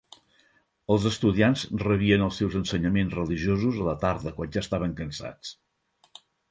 Els estudiants rebien els seus ensenyaments religiosos a la tarda quan ja estaven cansats.